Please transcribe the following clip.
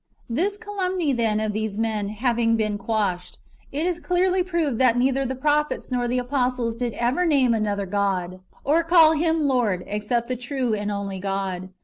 This calumny, then, of these men, having been quashed, it is clearly proved that neither the prophets nor the apostles did ever name another God, or call [him] Lord, except the true and only God.